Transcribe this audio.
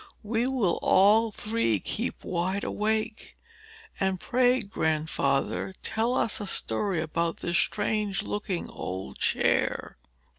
"We will all three keep wide awake. And pray, Grandfather, tell us a story about this strange looking old chair."